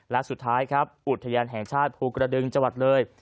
และสุดท้ายอุทยานแห่งชาติภูกระดึงจวัตรเลย